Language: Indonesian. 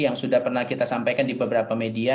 yang sudah pernah kita sampaikan di beberapa media